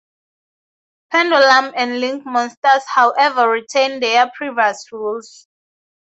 Pendulum and Link monsters however retain their previous rules.